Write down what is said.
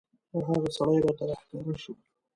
بیا هغه سړی راته راښکاره شو.